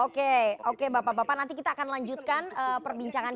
oke oke bapak bapak nanti kita akan lanjutkan perbincangan